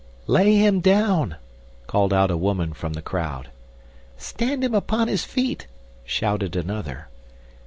"Lay him down," called out a woman from the crowd. "Stand him upon his feet," shouted another.